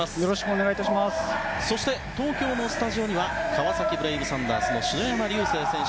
そして、東京のスタジオには川崎ブレイブサンダースの篠山竜青選手